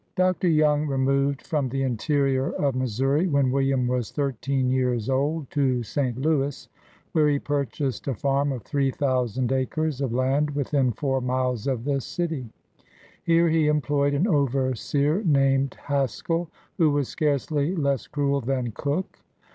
Dr. Young removed from the interior of Missouri, when William was thirteen years old, to St. Louis, where he purchased a farm of three thousand acres of land, within four miles of the city. Here he employed an overseer named Haskell, who was scarcely less cruel than Cook.